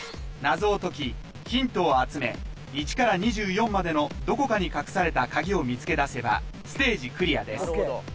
謎を解きヒントを集め１から２４までのどこかに隠された鍵を見つけだせばステージクリアです